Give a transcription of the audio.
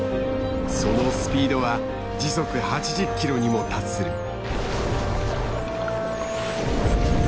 そのスピードは時速８０キロにも達する。